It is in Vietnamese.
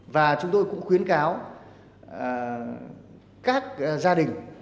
và chúng tôi cũng khuyến cáo các gia đình